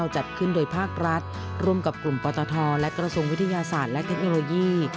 จัดขึ้นโดยภาครัฐร่วมกับกลุ่มปตทและกระทรวงวิทยาศาสตร์และเทคโนโลยี